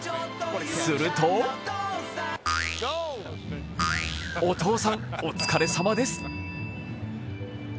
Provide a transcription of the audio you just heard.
するとお父さん、お疲れさまです。